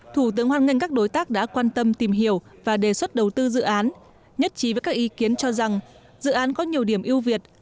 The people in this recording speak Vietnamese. thủ tướng hoan nghênh các đối tác đã quan tâm tìm hiểu và đề xuất đầu tư dự án nhất trí với các ý kiến cho rằng dự án có nhiều điểm ưu việt